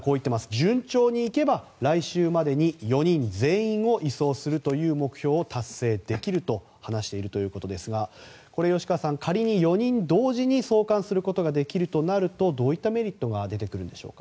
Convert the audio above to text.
順調に行けば来週までに４人全員を移送するという目標を達成できると話しているということですがこれ、吉川さん、仮に４人同時に送還することができるとなるとどういったメリットが出てくるんでしょうか。